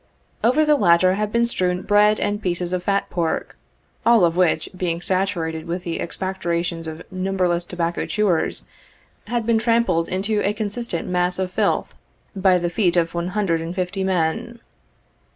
Over the latter had been strewn bread and pieces of fat pork, all of which being saturated with the expectorations of numberless tobacco chewers, had been trampled into a consistent mass of filth, by the feet of one hundred and fifty men.